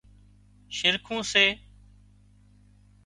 شِرکُون سي